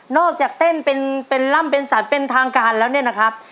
จากเต้นเป็นล่ำเป็นสรรเป็นทางการแล้วเนี่ยนะครับ